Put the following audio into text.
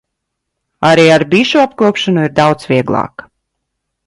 Arī ar bišu apkopšanu ir daudz vieglāk.